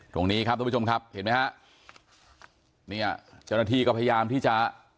ตรงนี้ครับทุกผู้ชมครับเห็นไหมฮะเนี่ยเจ้าหน้าที่ก็พยายามที่จะ